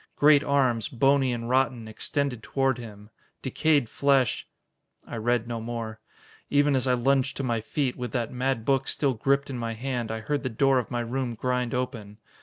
Great arms, bony and rotten, extended toward him. Decayed flesh " I read no more. Even as I lunged to my feet, with that mad book still gripped in my hand, I heard the door of my room grind open.